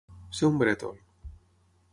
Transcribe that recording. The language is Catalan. Ser un brètol.